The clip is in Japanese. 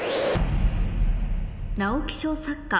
直木賞作家